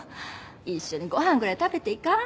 一緒にご飯ぐらい食べていかん？